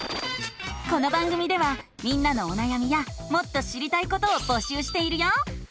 この番組ではみんなのおなやみやもっと知りたいことをぼしゅうしているよ！